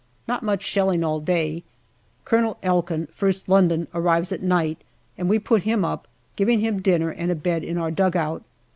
Not much shelling all day. Colonel Ekin, ist London, arrives at night and we put him up, giving him dinner and a bed in our dugout.